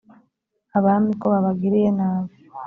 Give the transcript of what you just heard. abami ko babagiriye nabi